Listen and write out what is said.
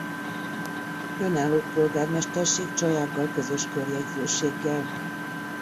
Önálló polgármesterség Csajággal közös körjegyzőséggel.